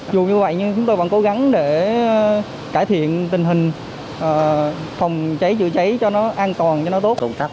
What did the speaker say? dù như vậy nhưng chúng tôi vẫn cố gắng để cải thiện tình hình phòng cháy chữa cháy cho nó an toàn cho nó tốt